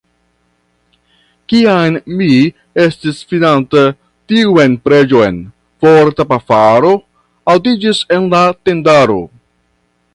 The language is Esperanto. Kiam mi estis finanta tiun preĝon, forta pafaro aŭdiĝis en la tendaro.